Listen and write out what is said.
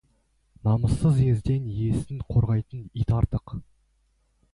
Намыссыз езден иесін қорғайтын ит артық.